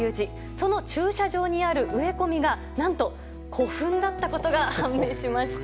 その駐車場にある植え込みが何と古墳だったことが判明しました。